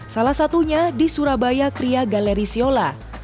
salah satunya di surabaya kriya galeri siola